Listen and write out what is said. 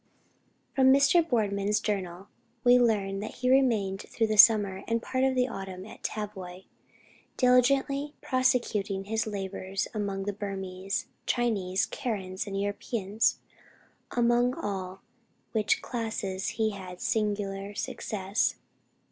From Mr. Boardman's journal we learn that he remained through the summer and part of the autumn at Tavoy, diligently prosecuting his labors among the Burmese, Chinese, Karens, and Europeans, among all which classes he had singular success.